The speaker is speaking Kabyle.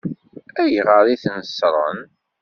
Ayɣer i ten-ṣṣṛen?